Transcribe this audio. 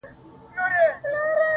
تا څه کول جانانه چي راغلی وې وه کور ته؟